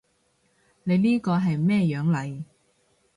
你呢個係咩樣嚟？